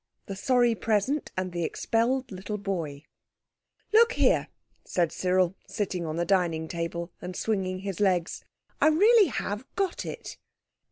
THE SORRY PRESENT AND THE EXPELLED LITTLE BOY "Look here, said Cyril, sitting on the dining table and swinging his legs; "I really have got it."